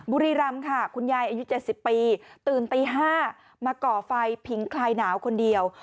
บุรีรำค่ะคุณยายอายุ๗๐ปีตื่นตี๕มาก่อไฟผิงคลายหนาวคนเดียว